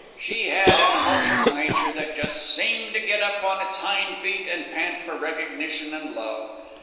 She had an emotional nature that just seemed to get up on its hind feet and pant for recognition and love.